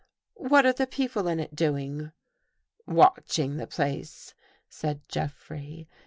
" What are the people in it doing? "" Watching the place," said Jeffrey.